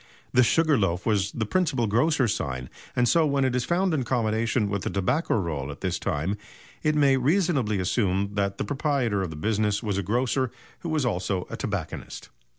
The "Sugar Loaf" was the principal grocer's sign, and so when it is found in combination with the tobacco roll at this time it may reasonably be assumed that the proprietor of the business was a grocer who was also a tobacconist.